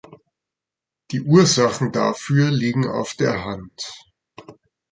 Die Ursachen dafür liegen auf der Hand.